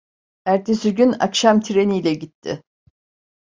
Ertesi gün, akşam treniyle gitti.